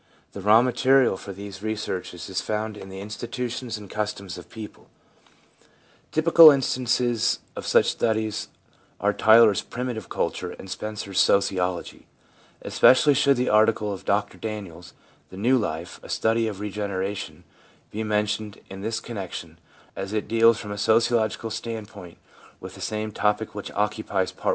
The raw material for these researches is found in the institutions and customs 4 THE PSYCHOLOGY OF RELIGION of peoples. Typical instances of such studies are Tylor's Primitive Culture and Spencer's Sociology. Especially should the article of Dr Daniels, 1 The New Life: A Study of Regeneration, be mentioned in this connection, as it deals from a sociological standpoint with the same topic which occupies Part I.